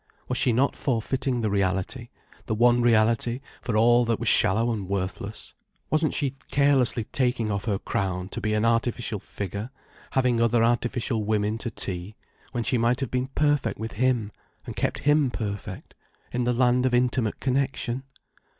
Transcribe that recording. Was she not forfeiting the reality, the one reality, for all that was shallow and worthless? Wasn't she carelessly taking off her crown to be an artificial figure having other artificial women to tea: when she might have been perfect with him, and kept him perfect, in the land of intimate connection?